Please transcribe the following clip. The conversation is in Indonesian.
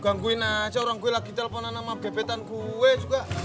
gaguin aja orang gue lagi telponan sama bebetan gue juga